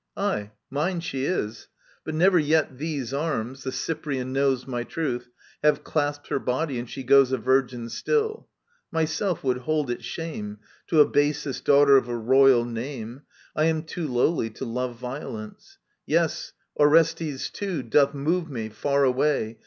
AyCy mine she is : But never yet these arms — the Cyprian knows My truth I — have clasped her body, and she goes A virgin stilL Myself would hold it shame To abase this daughter of a royal name. I am too lowly to love violence. Yea, Orestes too doth move me, far away.